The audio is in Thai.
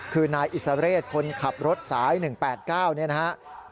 คือนายอิสระเรศคนขับรถสาย๑๘๙เนี่ยนะครับ